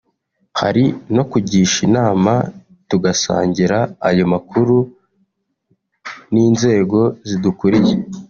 hari no kugisha inama tugasangira ayo makuru n’inzego zidukuriye